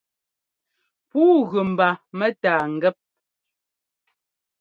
Pûu gʉ mba mɛ́tâa ŋgɛ́p.